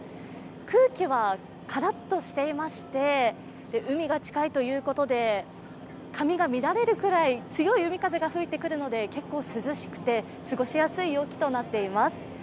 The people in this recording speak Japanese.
空気はからっとしていまして、海が近いということで髪が乱れるくらい強い海風が吹いてくるので結構涼しくて、過ごしやすい陽気となっています。